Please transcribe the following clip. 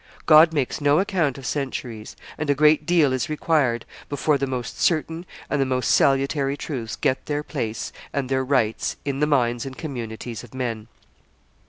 God makes no account of centuries, and a great deal is required before the most certain and the most salutary truths get their place and their rights in the minds and communities of men.